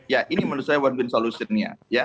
ya ini menurut saya win win solutionnya